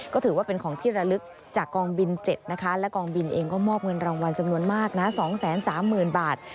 ก็ถือว่าเป็นของที่ระลึกจากกองบิน๗นะคะและกองบินเองก็มอบเงินรางวัลจำนวนมากนะ๒๓๐๐๐บาท